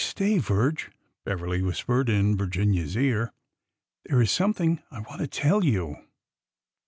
'' Stay, Virge," Beverly whispered in Virginia's ear. There is something I want to tell you."